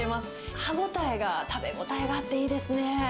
歯応えが、食べ応えがあっていいですね。